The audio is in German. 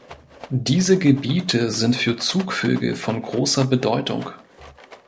Diese Gebiete sind für Zugvögel von großer Bedeutung.